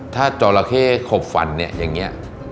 ถ้าจอหละเข้ขบฝันอย่างนี้